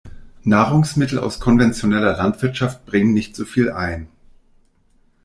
Nahrungsmittel aus konventioneller Landwirtschaft bringen nicht so viel ein.